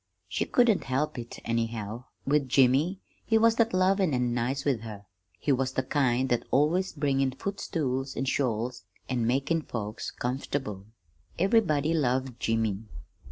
She couldn't help it, anyhow, with Jimmy, he was that lovin' an' nice with her. He was the kind that's always bringin' footstools and shawls, an' makin' folks comfortable. Everybody loved Jimmy.